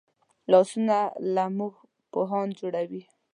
لاسونه له موږ پوهان جوړوي